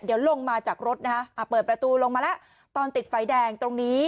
เดี๋ยวลงมาจากรถนะฮะเปิดประตูลงมาแล้วตอนติดไฟแดงตรงนี้